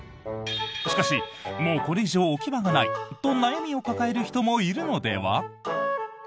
しかしもうこれ以上置き場がないと悩みを抱える人もいるのでは？